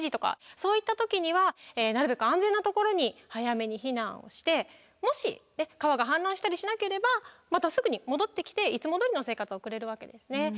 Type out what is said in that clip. そういった時にはなるべく安全なところに早めに避難をしてもし川が氾濫したりしなければまたすぐに戻ってきていつもどおりの生活送れるわけですね。